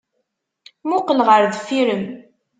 Muqel ɣer deffir-m!